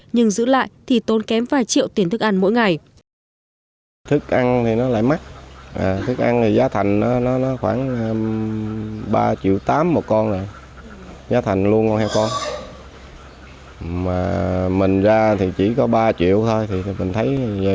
nhưng giữ lại thì tốn kém vài triệu tiền thức ăn mỗi ngày